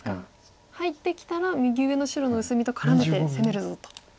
入ってきたら右上の白の薄みと絡めて攻めるぞと。